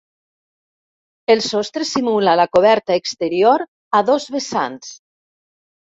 El sostre simula la coberta exterior a dos vessants.